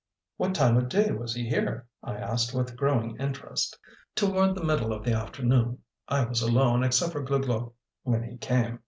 "What time of day was he here?" I asked, with growing interest. "Toward the middle of the afternoon. I was alone, except for Glouglou, when he came.